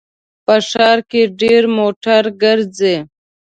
په ښار کې ډېر موټر ګرځي